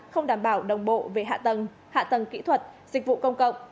không đảm bảo đồng bộ về hạ tầng hạ tầng kỹ thuật dịch vụ công cộng